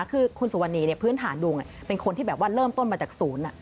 คือคุณสุวรรณีพื้นฐานดวงเป็นคนที่แบบว่าเริ่มต้นมาจากศูนย์